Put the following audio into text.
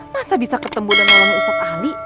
masa bisa ketemu dan nolong yusuf ali